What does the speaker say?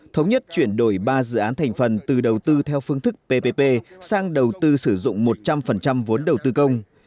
thống nhất chuyển đổi ba dự án thành phần từ đầu tư theo phương thức ppp sang đầu tư sử dụng một trăm linh vốn đầu tư công